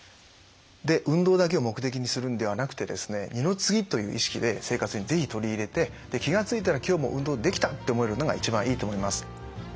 運動だけを目的にするんではなくて二の次という意識で生活に是非取り入れて気が付いたら今日も運動できたと思えるのが一番いいと思います。